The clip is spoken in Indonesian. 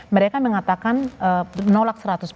mereka mengatakan menolak seratus